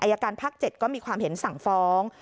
อายการภาค๗ก็มีความเห็นสั่งฟ้อง